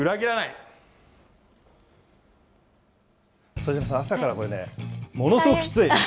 副島さん、朝からね、これね、ものすごいきつい。